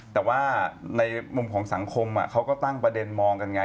แต่ว่าในมุมของสังคมเขาก็ตั้งประเด็นมองกันไง